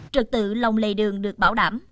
trực tự lòng lề đường được bảo đảm